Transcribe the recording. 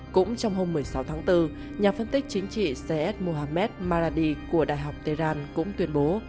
cũng trong hôm một mươi sáu tháng bốn nhà phân tích chính trị cs mohammed maradi của đại học teran cũng tuyên bố